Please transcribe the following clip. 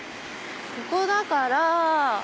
ここだから。